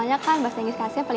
eh bangkuan men